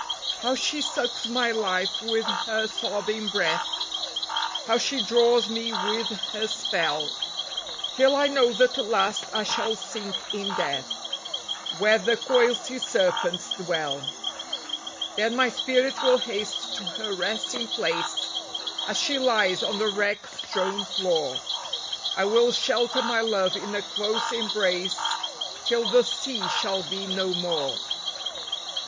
How she sucks my life with her sobbing breath, How she draws me with her spell, Till I know that at last I shall sink in death Where the coiled sea serpents dwell. Then my spirit will haste to her resting place, As she lies on the wreck strewn floor ; I will shelter my love in a close embrace Till the sea shall be no more.